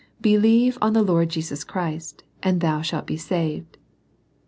"Believe on the Lord Jesus Christ, and thou shalt be saved."